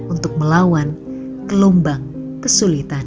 untuk melawan gelombang kesulitan